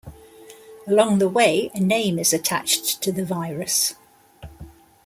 Along the way, a name is attached to the virus.